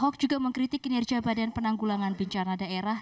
ahok juga mengkritik kinerja badan penanggulangan bencana daerah